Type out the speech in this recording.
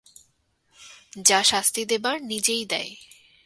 যা শাস্তি দেবার নিজেই দেয়।